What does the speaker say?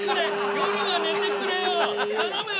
夜はねてくれよ頼むよ。